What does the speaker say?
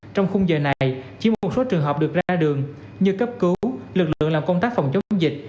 trong khung giờ này chỉ một số trường hợp được ra đường như cấp cứu lực lượng làm công tác phòng chống dịch